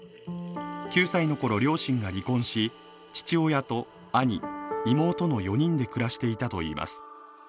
９歳のころ両親が離婚し、父親と兄、妹の４人で暮らしていたといいます。